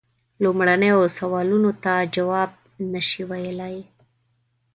لومړنیو سوالونو ته جواب نه سي ویلای.